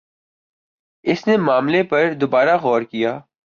اس نے معاملے پر دوبارہ غور کِیا